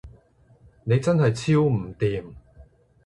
你真係超唔掂